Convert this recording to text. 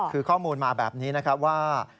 คือข้อมูลมาแบบนี้ว่า